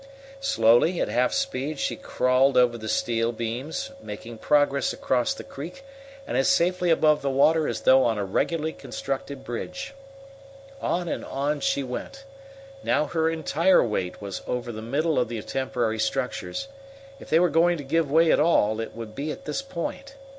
Slowly, at half speed, she crawled over the steel beams, making progress over the creek and as safely above the water as though on a regularly constructed bridge. On and on she went. Now her entire weight was over the middle of the temporary structures. If they were going to give way at all, it would be at this point.